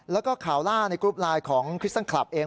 แล้วก็ข่าวล่าในกรุ๊ปไลน์ของคริสตังคลับเอง